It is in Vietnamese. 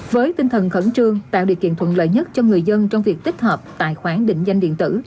với tinh thần khẩn trương tạo điều kiện thuận lợi nhất cho người dân trong việc tích hợp tài khoản định danh điện tử